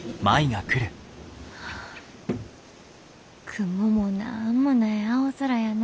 雲もなんもない青空やな。